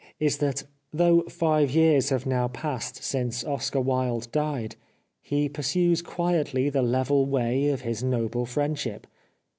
The Life of Oscar Wilde is that, though five years have now passed since Oscar Wilde died, he pursues quietly the level way of his noble friendship.